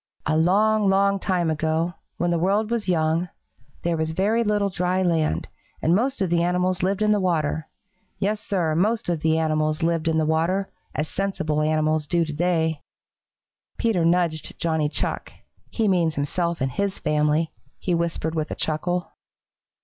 "A long, long time ago, when the world was young, there was very little dry land, and most of the animals lived in the water. Yes, Sir, most of the animals lived in the water, as sensible animals do to day." Peter nudged Johnny Chuck. "He means himself and his family," he whispered with a chuckle.